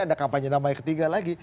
ada kampanye namanya ketiga lagi